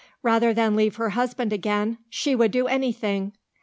Rather than leave her husband again, she would do everything.